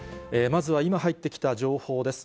まずは今、入ってきた情報です。